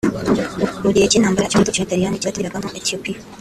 Mu gihe cy’intambara igihugu cy’ubutaliyani cyateragamo Ethiopia